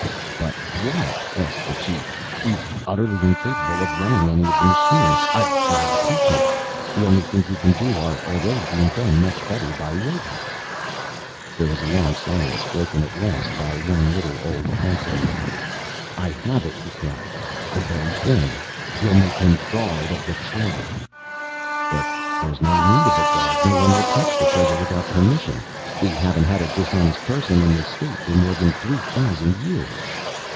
"But what?" asked the Chief. "He's utterly incapable of running any of the machines. I've tried to teach him. The only things he can do, are already being done much better by robots." There was a long silence, broken at last by one little, old council member. "I have it," he cried. "The very thing. We'll make him guard of the Treasure." "But there's no need of a guard. No one will touch the Treasure without permission. We haven't had a dishonest person in the State for more than three thousand years."